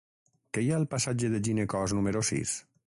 Què hi ha al passatge de Ginecòs número sis?